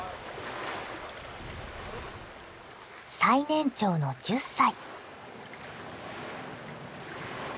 最年長の１０歳。